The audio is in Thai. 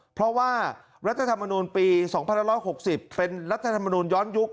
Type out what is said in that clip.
เพราะว่ารัฐธรรมนูลปี๒๑๖๐เป็นรัฐธรรมนูลย้อนยุค